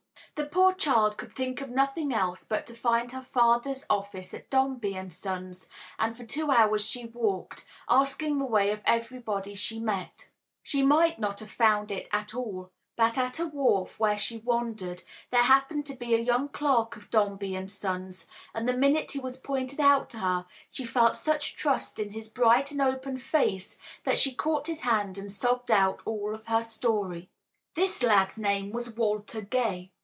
The poor child could think of nothing else but to find her father's office at Dombey and Son's, and for two hours she walked, asking the way of everybody she met. She might not have found it at all, but at a wharf where she wandered, there happened to be a young clerk of Dombey and Son's, and the minute he was pointed out to her she felt such trust in his bright and open face that she caught his hand and sobbed out all her story. This lad's name was Walter Gay.